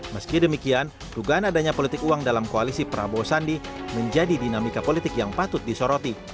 meski demikian dugaan adanya politik uang dalam koalisi prabowo sandi menjadi dinamika politik yang patut disoroti